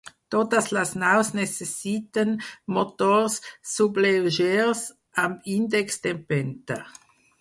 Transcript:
Totes les naus necessiten motors sublleugers amb índex d'empenta.